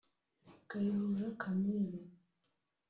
Kayihura Camille